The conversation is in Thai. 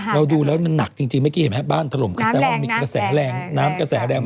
เราดูแล้วมันหนักจริงเมื่อกี้เห็นไหมบ้านถล่มกันแสดงว่ามีกระแสแรงน้ำกระแสแรง